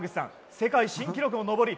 世界新記録の登り